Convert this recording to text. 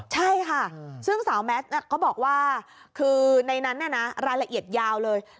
ใช่ค่ะซึ่งสาวแมสก็บอกว่าคือในนั้นรายละเอียดยาวเลย